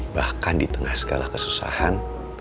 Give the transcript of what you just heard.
bahkan di tengah segala kesusahan